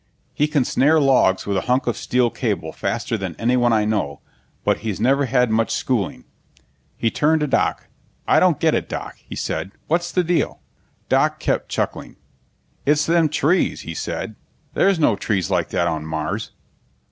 He can snare logs with a hunk of steel cable faster than anyone I know, but he's never had much schooling. He turned to Doc. "I don't get it, Doc," he said. "What's the deal?" Doc kept chuckling. "It's them trees," he said. "There's no trees like that on Mars."